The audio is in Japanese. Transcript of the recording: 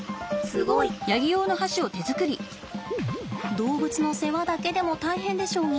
動物の世話だけでも大変でしょうに。